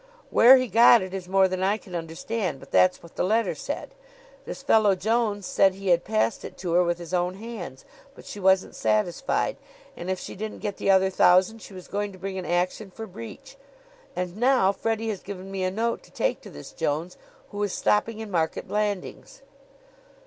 "Where he got it is more than I can understand; but that's what the letter said. This fellow Jones said he had passed it to her with his own hands; but she wasn't satisfied, and if she didn't get the other thousand she was going to bring an action for breach. And now Freddie has given me a note to take to this Jones, who is stopping in Market Blandings."